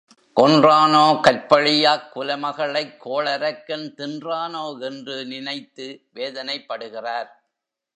கொன்றானோ கற்பழியாக் குலமகளைக் கோளரக்கன் தின்றானோ என்று நினைத்து வேதனைப்படுகிறார்.